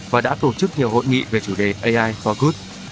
và đã tổ chức nhiều hội nghị về chủ đề ai for good